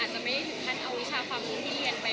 อาจจะไม่ได้ถึงท่านเอาวิชาภาพฮูติเย็นไป